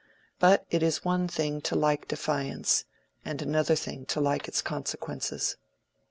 But it is one thing to like defiance, and another thing to like its consequences.